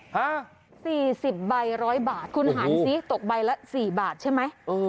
ฮะสี่สิบใบร้อยบาทคุณหันสิตกใบละสี่บาทใช่ไหมเออ